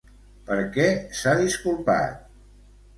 Per què s'ha disculpat?